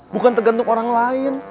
bukan tergantung orang lain